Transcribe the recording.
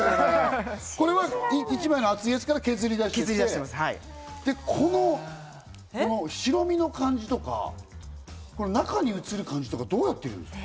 一枚の厚いやつから削り出して、この白身の感じとか、中に映る感じとか、どうやってるんですか？